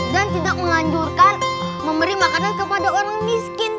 dan tidak menghancurkan memberi makanan kepada orang miskin